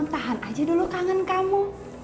tahan aja dulu kangen kamu